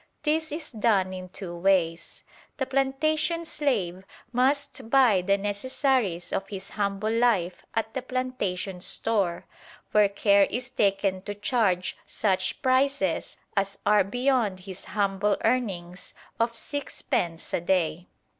This is done in two ways. The plantation slave must buy the necessaries of his humble life at the plantation store, where care is taken to charge such prices as are beyond his humble earnings of sixpence a day.